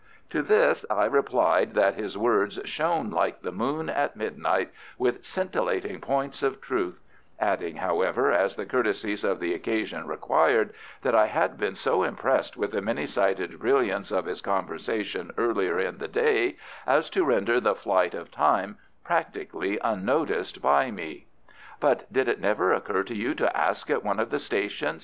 To this I replied that his words shone like the moon at midnight with scintillating points of truth; adding, however, as the courtesies of the occasion required, that I had been so impressed with the many sided brilliance of his conversation earlier in the day as to render the flight of time practically unnoticed by me. "But did it never occur to you to ask at one of the stations?"